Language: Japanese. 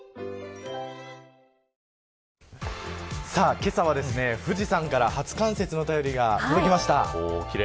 けさは富士山から初冠雪の便りが届きました。